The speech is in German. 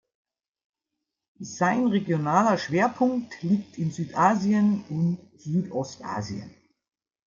Sein regionaler Schwerpunkt liegt in Südasien und Südostasien.